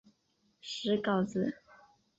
石皋子。